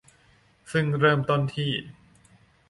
ซึ่งเริ่มต้นที่